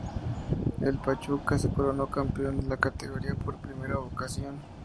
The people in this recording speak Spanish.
El Pachuca se coronó campeón de la categoría por primera ocasión.